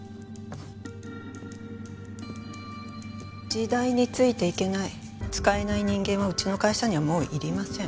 時代についていけない使えない人間はうちの会社にはもういりません。